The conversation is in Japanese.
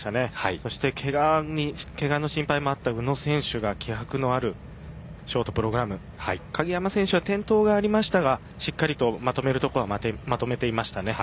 そして、けがの心配もあった宇野選手が気迫のあるショートプログラム。鍵山選手は転倒がありましたがしっかりとまとめるところはまとめていました。